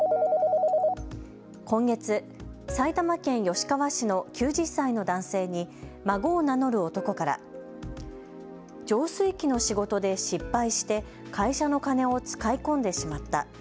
今月、埼玉県吉川市の９０歳の男性に孫を名乗る男から浄水器の仕事で失敗して会社の金を使い込んでしまった。